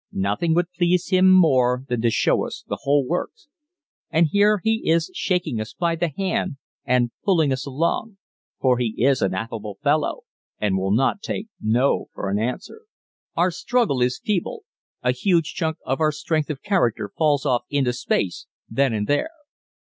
Nothing would please him more than to show us the whole works and here he is shaking us by the hand and pulling us along for he is an affable fellow and will not take "no" for an answer. Our struggle is feeble a huge chunk of our strength of character falls off into space then and there.